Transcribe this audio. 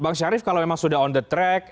bang syarif kalau memang sudah on the track